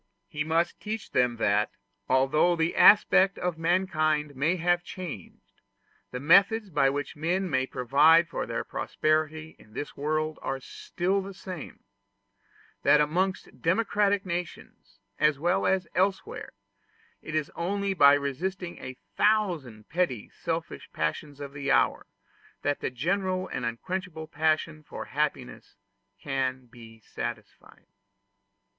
He must teach them that, although the aspect of mankind may have changed, the methods by which men may provide for their prosperity in this world are still the same; and that amongst democratic nations, as well as elsewhere, it is only by resisting a thousand petty selfish passions of the hour that the general and unquenchable passion for happiness can be satisfied.